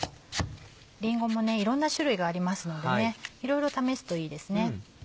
りんごもいろんな種類がありますのでいろいろ試すといいですね。